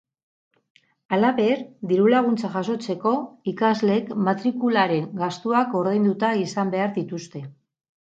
Halaber, diru-laguntza jasotzeko, ikasleek matrikularen gastuak ordainduta izan behar dituzte.